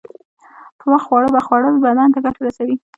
په وخت خواړه خوړل بدن ته گټه رسوي.